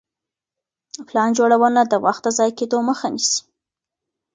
پلان جوړونه د وخت د ضايع کيدو مخه نيسي.